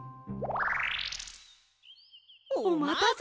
おまたせ！